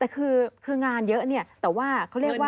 แต่คืองานเยอะเนี่ยแต่ว่าเขาเรียกว่า